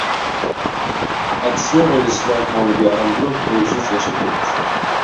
ئاتىسىنى ئويلىسىلا كۆڭلى بىئارام بولۇپ ئۈنسىز ياش تۆكەتتى.